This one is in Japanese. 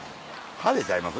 派手ちゃいます？